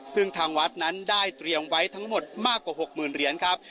ซึ่งทางวัดนั้นได้เตรียมไว้ทั้งหมดมากกว่า๖๐๐๐เหรียญครับ